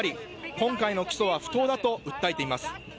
今回の起訴は不当だと訴えています。